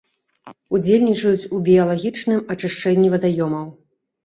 Удзельнічаюць у біялагічным ачышчэнні вадаёмаў.